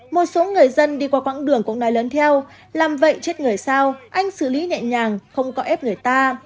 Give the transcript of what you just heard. một số người dân đi qua quãng đường cũng nói lớn theo làm vậy chết người sao anh xử lý nhẹ nhàng không có ép người ta